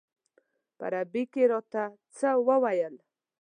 په عربي یې راته څه وویل.